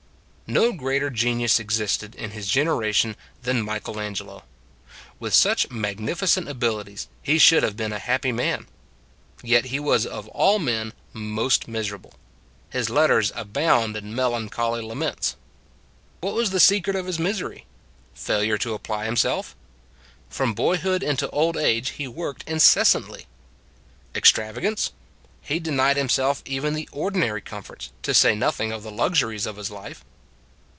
No greater genius existed in his genera tion than Michelangelo. With such mag nificent abilities he should have been a happy man : yet he was of all men most miserable. His letters abound in melan choly laments. 133 134 It s a Good Old World What was the secret of his misery? Failure to apply himself? From boyhood into old age he worked incessantly. Extravagance? He denied himself even the ordinary comforts, to say nothing of the luxuries of life.